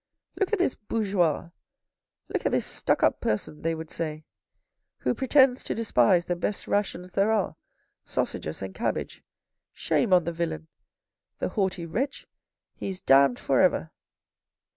" Look at this bourgeois, look at this stuck up person," they would say, " who pretends to despise the best rations there are, sausages and cabbage, shame on the villain ! The haughty wretch, he is damned for ever."